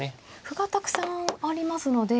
歩がたくさんありますので。